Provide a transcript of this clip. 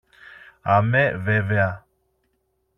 Αμέ βέβαια!